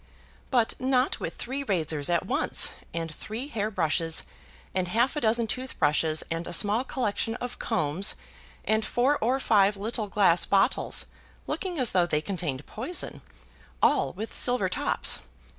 "But not with three razors at once; and three hair brushes, and half a dozen toothbrushes, and a small collection of combs, and four or five little glass bottles, looking as though they contained poison, all with silver tops.